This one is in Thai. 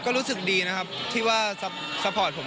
ก็รู้สึกดีนะครับที่ว่าซัพพอร์ตผม